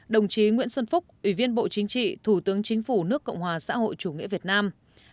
đồng chí nguyễn xuân phúc ủy viên bộ chính trị thủ tướng chính phủ nước cộng hòa xã hội chủ nghĩa việt nam